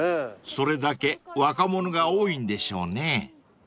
［それだけ若者が多いんでしょうね］